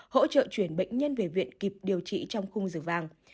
hỗ trợ chuyển bệnh nhân về viện kịp điều trị trong khung giờ vàng